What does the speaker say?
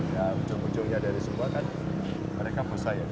ya ujung ujungnya dari semua kan mereka bos saya